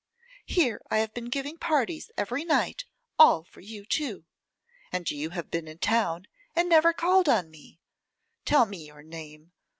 Here I have been giving parties every night, all for you too. And you have been in town, and never called on me. Tell me your name.